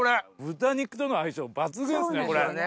豚肉との相性抜群すねこれ！